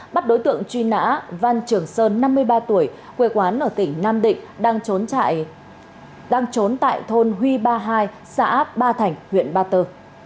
bắt đối tượng truy nã văn trường sơn năm mươi ba tuổi quê quán ở tỉnh nam định đang trốn tại thôn huy ba hai xã ba thành huyện ba tơ